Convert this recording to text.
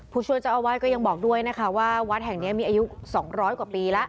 ผู้ช่วยเจ้าอาวาสก็ยังบอกด้วยนะคะว่าวัดแห่งนี้มีอายุ๒๐๐กว่าปีแล้ว